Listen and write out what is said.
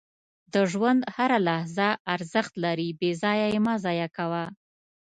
• د ژوند هره لحظه ارزښت لري، بې ځایه یې مه ضایع کوه.